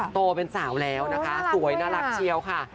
โตเป็นสาวแล้วนะคะสวยน่ารักเชียวค่ะ